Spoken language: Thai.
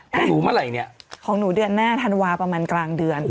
ของหนูเมื่อไหร่เนี่ยของหนูเดือนหน้าธันวาประมาณกลางเดือน